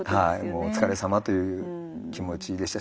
お疲れさまという気持ちでしたし。